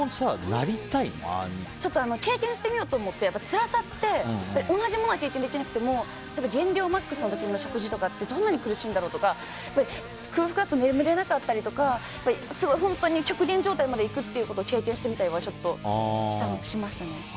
経験してみようと思って辛さって同じものは経験できなくても減量マックスの時の食事とかってどんなに苦しいんだろうとか空腹だと眠れなかったりとか本当に極限状態まで行くことを経験してみたいというのはちょっとしましたね。